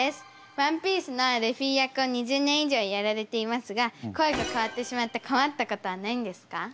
「ＯＮＥＰＩＥＣＥ」のルフィ役を２０年以上やられていますが声が変わってしまって困ったことはないんですか？